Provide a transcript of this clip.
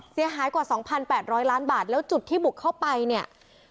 เสียหายกว่า๒๘๐๐ล้านบาทแล้วจุดที่บุกเข้าไปเนี่ย